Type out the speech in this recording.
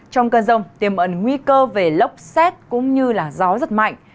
trong cơn rông tiêm ẩn nguy cơ về lốc xét cũng như gió giật mạnh